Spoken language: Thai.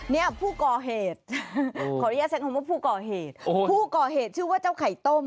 นี้พู่กรเหตุพู่กรเหตุชื่อว่าเจ้าไข่ต้ม